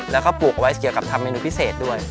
แล้วก็ปลูกเอาไว้เกี่ยวกับทำเมนูพิเศษด้วย